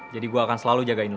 jadi gue akan selalu jagain lo